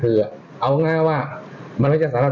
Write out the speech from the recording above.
เมื่อขุมอังกฎ